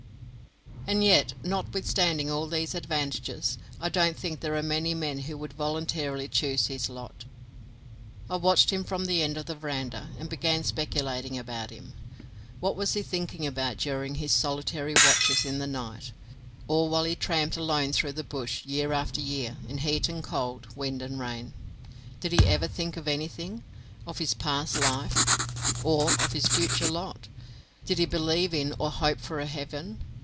And yet, notwithstanding all these advantages, I don't think there are many men who would voluntarily choose his lot. I watched him from the end of the verandah, and began speculating about him. What was he thinking about during his solitary watches in the night or while he tramped alone through the bush year after year in heat and cold, wind and rain? Did he ever think of anything of his past life, or of his future lot? Did he believe in or hope for a heaven?